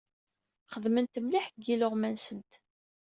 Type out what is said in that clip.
Xedment mliḥ deg yiluɣma-nsent.